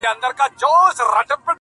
در جارېږم مقدسي له رِضوانه ښایسته یې,